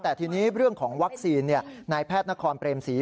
แต่ทีนี้เรื่องของวัคซีนนายแพทย์นครเปรมศรี